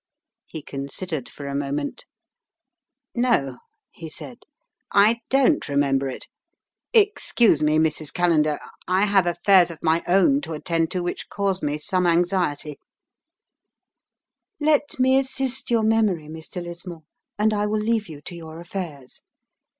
He considered for a moment. "No," he said, "I don't remember it. Excuse me Mrs. Callender, I have affairs of my own to attend to which cause me some anxiety " "Let me assist your memory, Mr. Lismore, and I will leave you to your affairs.